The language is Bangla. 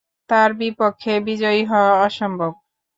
তার বিপক্ষে বিজয়ী হওয়া অসম্ভব।